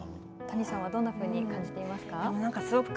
谷さんはどういうふうに感じていますか。